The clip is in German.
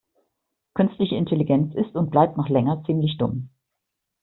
Künstliche Intelligenz ist und bleibt noch länger ziemlich dumm.